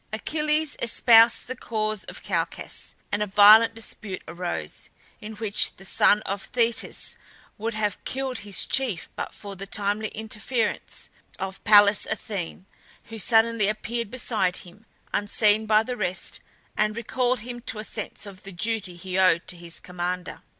Achilles espoused the cause of Calchas, and a violent dispute arose, in which the son of Thetis would have killed his chief but for the timely interference of Pallas Athene, who suddenly appeared beside him, unseen by the rest, and recalled him to a sense of the duty he owed to his commander.